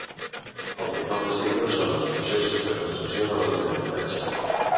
El que cal descriure són els processos de construcció de les identitats.